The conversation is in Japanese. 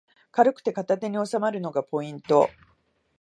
軽くて片手におさまるのがポイント